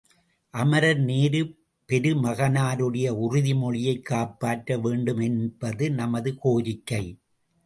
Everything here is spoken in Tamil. அமரர் நேரு பெருமகனாருடைய உறுதி மொழியைக் காப்பாற்ற வேண்டும் என்பது நமது கோரிக்கை!